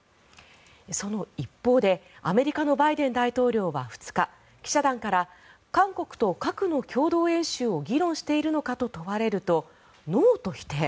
その一方でアメリカのバイデン大統領は２日記者団から韓国と核の共同演習を議論しているのかと問われるとノーと否定。